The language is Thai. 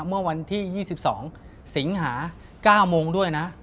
เมื่อวันที่๒๒สิงหา๙โมงด้วยนะ